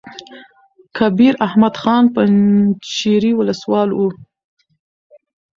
کبیر احمد خان پنجشېري ولسوال وو.